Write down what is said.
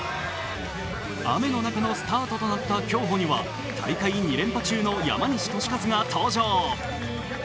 雨の中のスタートとなった競歩には大会２連覇中の山西利和が登場。